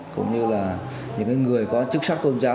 cũng như là những người có chức sắc tôn giáo